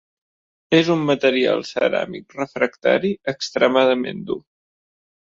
És un material ceràmic refractari extremadament dur.